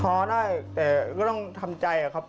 พอได้แต่ก็ต้องทำใจครับ